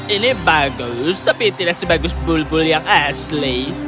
ini bagus tapi tidak sebagus bulbul yang asli